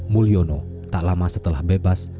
mulyono tak lama setelah bebas